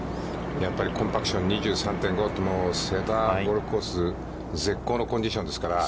やっぱり、コンパクション２３．５って、瀬田ゴルフコース、絶好のコンディションですから。